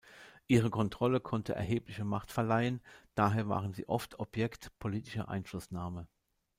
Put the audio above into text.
Ihre Kontrolle konnte erhebliche Macht verleihen, daher waren sie oft Objekt politischer Einflussnahme.